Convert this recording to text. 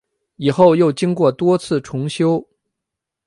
以后又经过多次重修。